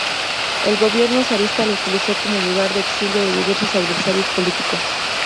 El gobierno zarista lo utilizó como lugar de exilio de diversos adversarios políticos.